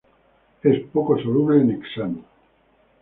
Es poco soluble en hexano.